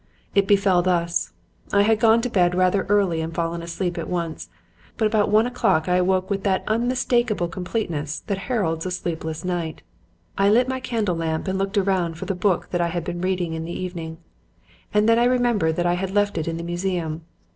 "It befell thus. I had gone to bed rather early and fallen asleep at once, but about one o'clock I awoke with that unmistakable completeness that heralds a sleepless night. I lit my candle lamp and looked round for the book that I had been reading in the evening, and then I remembered that I had left it in the museum.